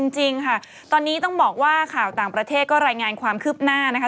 จริงค่ะตอนนี้ต้องบอกว่าข่าวต่างประเทศก็รายงานความคืบหน้านะคะ